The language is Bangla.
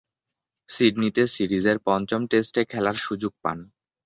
সিডনিতে সিরিজের পঞ্চম টেস্টে খেলার সুযোগ পান।